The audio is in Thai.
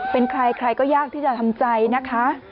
เป็นใครใครก็ยากที่จะทำใจนะคะ